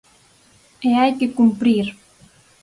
E hai que cumprir.